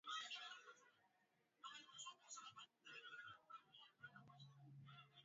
katika kesi ya kupokea rushwa inayowakabili